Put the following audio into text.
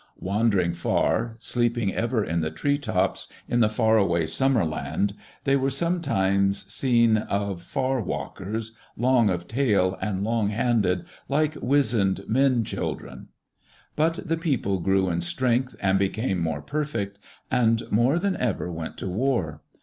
Wandering far, sleeping ever in tree tops, in the far away Summerland, they are sometimes seen of far walkers, long of tail and long handed, like wizened men children. But the people grew in strength, and became more perfect, and more than ever went to war.